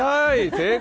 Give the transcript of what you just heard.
正解。